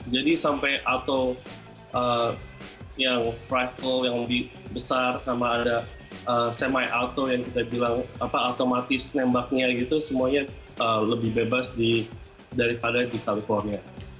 jadi sampai auto yang rifle yang lebih besar sama ada semi auto yang kita bilang apa otomatis nembaknya gitu semuanya lebih bebas daripada di california